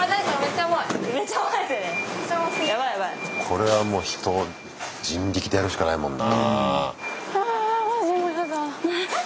これはもう人人力でやるしかないもんな。